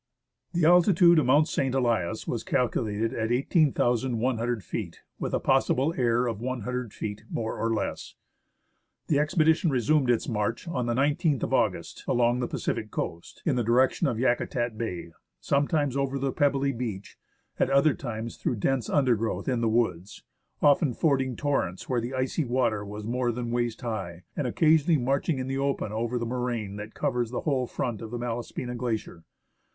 The altitude of Mount St. Elias was calculated at i8,ioo feet, with a possible error of lOO feet more or less. The ex pedition resumed its march on the 19th of August along the Pacific coast, in the direction of Yakutat Bay, sometimes over the pebbly beach, at other times through dense undergrowth in the woods, often fording torrents where the icy water was more than waist high, and occasionally marching in the open over the moraine that covers the whole front of the Malaspina Glacier.